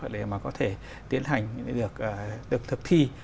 để mà có thể tiến hành được thực thi